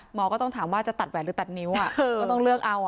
หมอก็ต้องถามว่าจะตัดแหวนหรือตัดนิ้วก็ต้องเลือกเอา